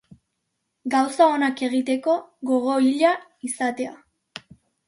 Gauza onak egiteko gogo hila izatea.